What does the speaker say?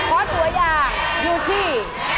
พอตัวอย่างอยู่ที่